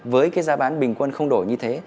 với giá bán bình quân không đổi như thế